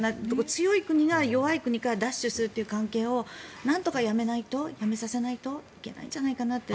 強い国が弱い国から奪取するという関係をなんとかやめないとやめさせないといけないんじゃないかなって。